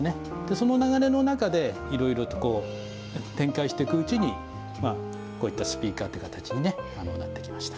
その流れの中で、いろいろとこう、展開していくうちに、こういったスピーカーという形になってきました。